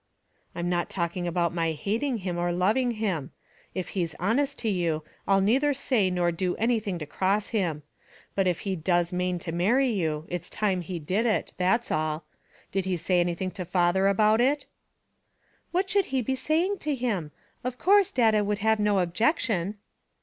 "I'm not talking about my hating him, or loving him. If he's honest to you, I'll neither say nor do anything to cross him. But if he does mane to marry you, it's time he did it; that's all. Did he say anything to father about it?" "What should he be saying to him? Of course, dada would have no objection."